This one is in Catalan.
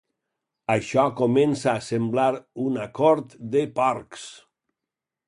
Això comença a semblar una cort de porcs!